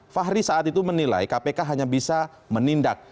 fahri saat itu menilai kpk hanya bisa menindak